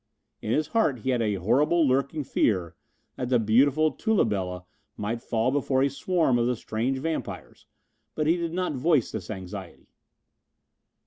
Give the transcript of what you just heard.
In his heart he had a horrible lurking fear that the beautiful Tula Bela might fall before a swarm of the strange vampires, but he did not voice this anxiety.